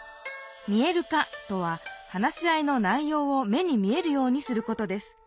「見える化」とは話し合いの内ようを目に見えるようにすることです。